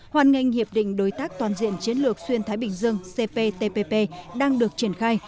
hoàn ngành hiệp định đối tác toàn diện chiến lược xuyên thái bình dương cptpp đang được triển khai